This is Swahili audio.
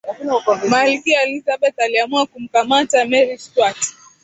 malkia elizabeth aliamua kumkamata mary stuart